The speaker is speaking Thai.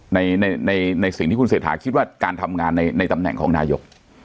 ในในสิ่งที่คุณเศรษฐาคิดว่าการทำงานในตำแหน่งของนายก